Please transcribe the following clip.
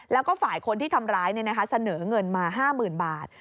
แล้วก็ฝ่ายคนที่ทำร้ายเสนอเงินมา๕๐๐๐บาท